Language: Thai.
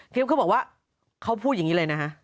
เขาบอกว่าเขาพูดอย่างนี้เลยนะฮะ